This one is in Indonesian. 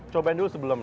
cobain dulu sebelum